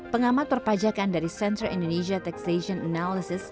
pengamat perpajakan dari center indonesia taxation analysis